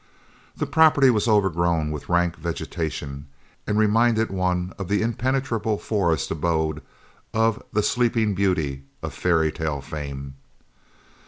The property was overgrown with rank vegetation and reminded one of the impenetrable forest abode of the "Sleeping Beauty" of fairy tale fame.